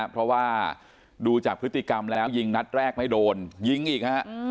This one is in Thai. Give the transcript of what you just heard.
เพราะว่าดูจากพฤติกรรมแล้วยิงนัดแรกไม่โดนยิงอีกฮะ